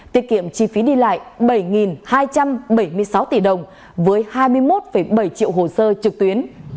tiết kiệm chi phí đi lại bảy hai trăm bảy mươi sáu tỷ đồng với hai mươi một bảy triệu hồ sơ trực tuyến